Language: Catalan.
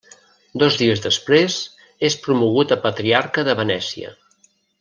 Dos dies després és promogut a patriarca de Venècia.